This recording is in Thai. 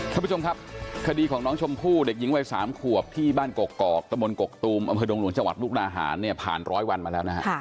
ท่านผู้ชมครับคดีของน้องชมพู่เด็กหญิงวัย๓ขวบที่บ้านกกอกตะมนตกกตูมอำเภอดงหลวงจังหวัดมุกนาหารเนี่ยผ่านร้อยวันมาแล้วนะฮะ